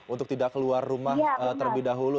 untuk tidak keluar rumah terlebih dahulu